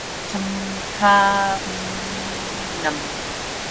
잠깐만 기다려줘, 나 이것만 마저 하고 금방 갈게!